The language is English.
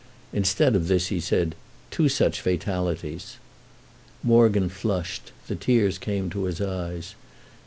Instead of this he said "Two such fatalities." Morgan flushed—the tears came to his eyes.